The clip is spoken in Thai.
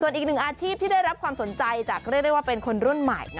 อีกหนึ่งอาชีพที่ได้รับความสนใจจากเรียกได้ว่าเป็นคนรุ่นใหม่